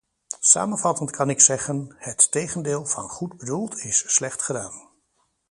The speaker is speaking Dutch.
Samenvattend kan ik zeggen: het tegendeel van goed bedoeld is slecht gedaan.